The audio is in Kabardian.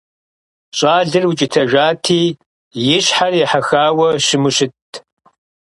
Щӏалэр укӀытэжати, и щхьэр ехьэхауэ щыму щытт.